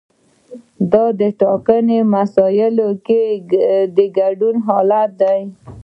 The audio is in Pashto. دا د ټاکنو په مسایلو کې د ګډون حالت دی.